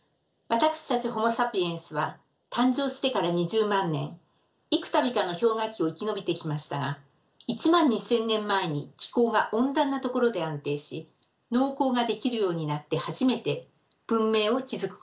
私たちホモ・サピエンスは誕生してから２０万年幾たびかの氷河期を生き延びてきましたが１万２，０００年前に気候が温暖なところで安定し農耕ができるようになって初めて文明を築くことができました。